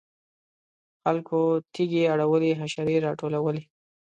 خلکو تیږې اړولې حشرې راټولولې.